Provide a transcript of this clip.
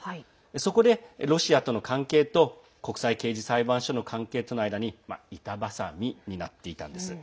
そこでロシアとの関係と国際刑事裁判所の関係との間に板ばさみになっていたんです。